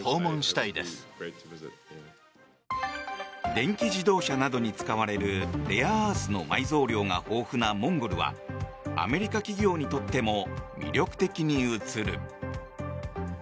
電気自動車などに使われるレアアースの埋蔵量が豊富なモンゴルはアメリカ企業にとっても魅力的に映る。